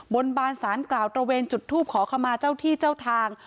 บนบานสารกล่าวตระเวนจุดทูปขอขมาเจ้าที่เจ้าทาง